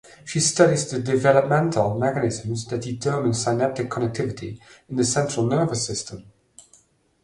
She studies the developmental mechanisms that determine synaptic connectivity in the central nervous system.